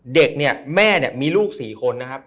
เด็กเนี่ยแม่เนี่ยมีลูก๔คนนะครับ